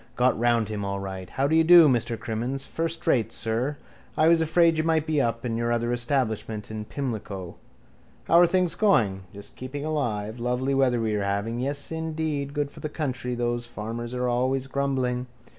Got round him all right. How do you do, Mr Crimmins? First rate, sir. I was afraid you might be up in your other establishment in Pimlico. How are things going? Just keeping alive. Lovely weather we're having. Yes, indeed. Good for the country. Those farmers are always grumbling.